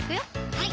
はい